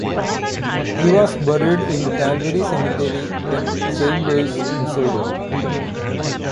He was buried in Calvary Cemetery in Saint Louis, Missouri.